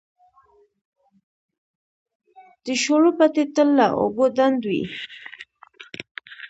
د شولو پټي تل له اوبو ډنډ وي.